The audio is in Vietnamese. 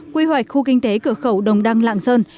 quy hoạch khu kinh tế cửa khẩu đồng đăng lạng sơn